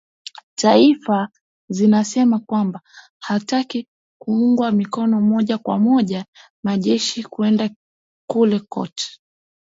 taifa zinasema kwamba hataki kuunga mkono moja kwa moja majeshi kwenda kule cote